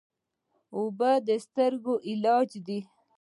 اوبه د ستړیا علاج دي.